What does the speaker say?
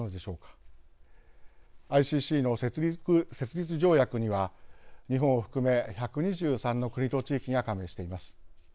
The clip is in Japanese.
ＩＣＣの設立条約には日本を含め１２３の国と地域が加盟しています。